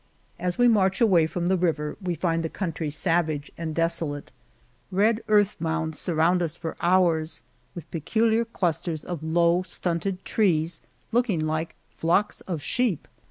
As we march away from the river we find the country savage and desolate. Red earth mounds surround us for hours with peculiar clusters of low, stunted trees, looking like flocks of sheep.